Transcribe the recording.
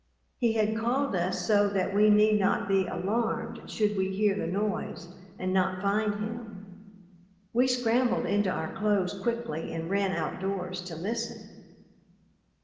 He had called us so that we need not be alarmed should we hear the noise and not find him. We scrambled into our clothes quickly and ran outdoors to listen.